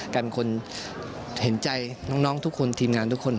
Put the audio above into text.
กลายเป็นคนเห็นใจน้องทุกคนทีมงานทุกคน